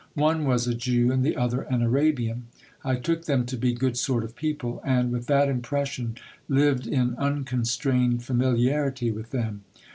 One was a Jew, and the other an Arabian. I took them to be good sort of people ; and, with that impression, lived in unconstrained familiarity with them.